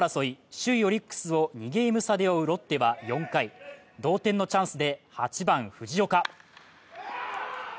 首位オリックスを２ゲーム差で追うロッテは４回、同点のチャンスで８番・藤岡。